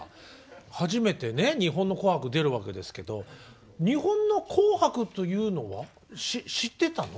初めてね日本の「紅白」出るわけですけど日本の「紅白」というのは知ってたの？